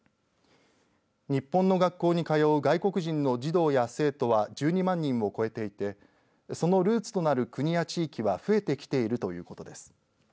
日本の学校に通う外国人の児童や生徒は１２万人を超えていてそのルーツとなる国や地域は増えてきているということです。